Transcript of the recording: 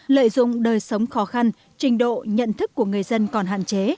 lợi dụng đời sống khó khăn trình độ nhận thức của người dân còn hạn chế